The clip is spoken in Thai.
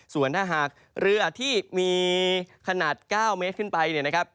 ส่วนถ้าหากเรือที่มีขนาด๙เมตรขึ้นไป